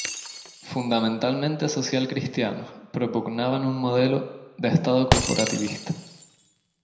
Fundamentalmente socialcristianos, propugnaban un modelo de Estado corporativista.